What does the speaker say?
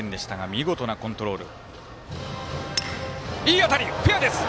見事なコントロール。